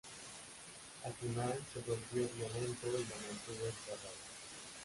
Al final, se volvió violento y la mantuvo encerrada.